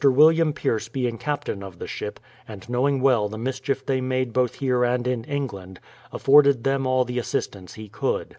William Pierce being captain of the ship, and knowing well the mischief they made both here and in England, afforded them all the assistance he could.